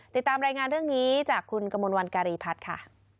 ติดตามรายงานเรื่องนี้จากคุณกมลวันการีพัฒน์ค่ะ